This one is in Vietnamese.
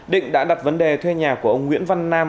định đã đặt vấn đề thuê nhà của ông nguyễn văn nam